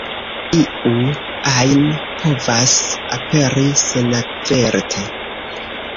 Iu ajn povas aperi senaverte.